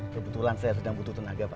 kebetulan saya sedang butuh tenaga pak